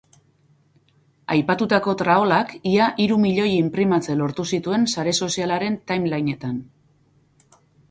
Aipatutako traolak ia hiru milioi inprimatze lortu zituen sare sozialaren timelineetan.